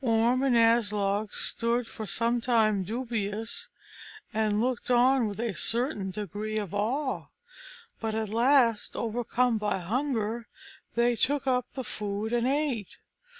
Orm and Aslog stood for some time dubious, and looked on with a certain degree of awe, but at last, overcome by hunger, they took up the food and ate.